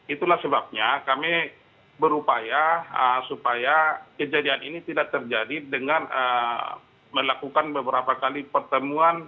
itulah sebabnya kami berupaya supaya kejadian ini tidak terjadi dengan melakukan beberapa kali pertemuan